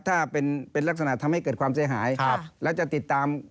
ถ้าเป็นลักษณะทำให้เกิดความเสียหาย